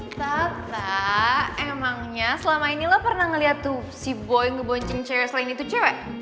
tata emangnya selama ini lu pernah ngeliat tuh si boy ngeboncing cewek selain itu cewek